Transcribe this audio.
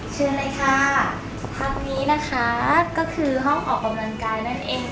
เชิญเลยค่ะพักนี้นะคะก็คือห้องออกกำลังกายนั่นเอง